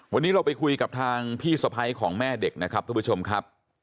วันนี้เราไปคุยกับทางพี่สะพ้ายของแม่เด็กนะครับทุกผู้ชมครับ